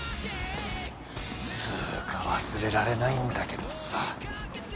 つうか忘れられないんだけどさ。